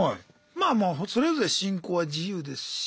まあまあそれぞれ信仰は自由ですし。